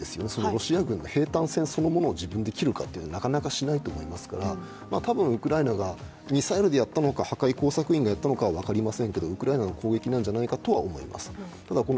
ロシア軍の兵たん線を自分で切ることはなかなかしないと思いますから、ロシアがミサイルでやったのか、破壊工作員がやったのかは分かりませんけどもウクライナの攻撃なんじゃないかとは思います